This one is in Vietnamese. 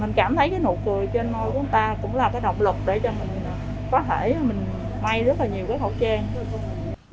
mình cảm thấy cái nụ cười trên môi của người ta cũng là cái động lực để cho mình có thể may rất là nhiều cái khẩu trang